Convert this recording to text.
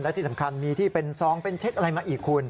และที่สำคัญมีที่เป็นซองเป็นเช็คอะไรมาอีกคุณ